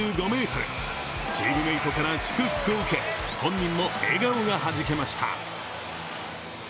チームメートから祝福を受け、本人も笑顔がはじけました。